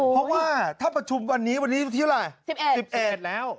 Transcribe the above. เพราะว่าถ้าประชุมวันนี้วันนี้ที่อะไรสิบเอ็ดสิบเอ็ดแล้ว